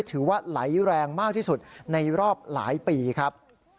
ถือว่าไหลแรงมากที่สุดในรอบหลายปีครับ